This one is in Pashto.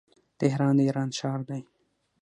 تهران د ايران ښار دی.